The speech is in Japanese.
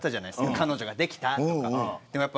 彼女ができたとか。